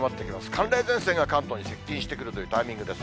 寒冷前線が関東に接近してくるというタイミングです。